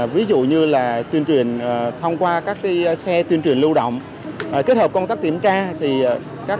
ví dụ như là tuyên truyền thông qua các xe tuyên truyền lưu động kết hợp công tác kiểm tra